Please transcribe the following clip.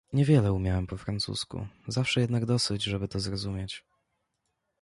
"Niewiele umiałem po francusku, zawsze jednak dosyć, żeby to zrozumieć."